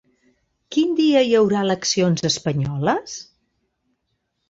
Quin dia hi haurà eleccions espanyoles?